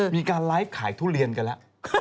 มีการไลฟ์ขายทุเรียนกันแล้ว